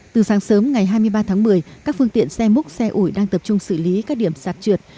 từ sáng sớm ngày hai mươi ba tháng một mươi các phương tiện xe múc xe ủi đang tập trung xử lý các điểm sạt trượt